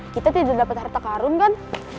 kita tidak dapat harta karun kan